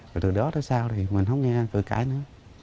rồi từ đó tới sau thì mình không nghe người cãi nữa